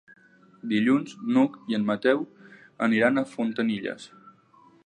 Dilluns n'Hug i en Mateu aniran a Fontanilles.